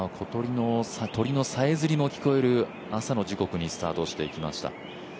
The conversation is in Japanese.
鳥のさえずりの聞こえる朝の時刻にスタートしてきました。